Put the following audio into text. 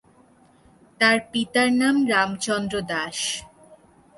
তার পিতার নাম রামচন্দ্র দাস।